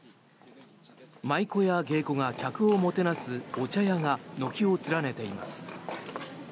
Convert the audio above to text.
舞妓や芸妓が客をもてなすお茶屋が軒を連ねています。